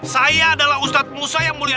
saya adalah ustadz musa yang mulia